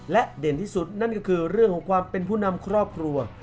และเด่นที่สุดนั่นก็คือเรื่องของความเป็นผู้นำครอบครัว